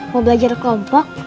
mau belajar kelompok